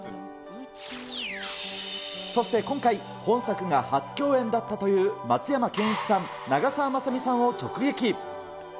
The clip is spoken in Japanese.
そして今回、今作が初共演だったという松山ケンイチさん、長澤まさみさんを直撃。